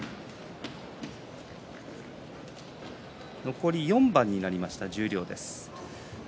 残り４番になりました十両です。